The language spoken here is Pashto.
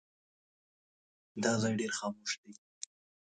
دا ځای ډېر خاموش دی.